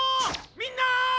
みんな！